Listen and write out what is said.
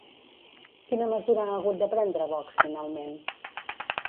Quina mesura ha hagut de prendre Vox finalment?